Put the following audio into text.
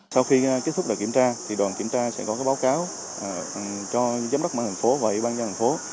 sau khi kết thúc đoàn kiểm tra đoàn kiểm tra sẽ có báo cáo cho giám đốc mạng thành phố và ủy ban nhà thành phố